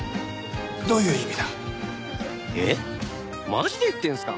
マジで言ってるんですか？